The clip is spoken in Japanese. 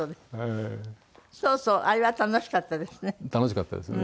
そうそうあれは楽しかったですね。